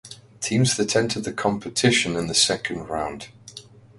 Teams that entered the competition in the second round.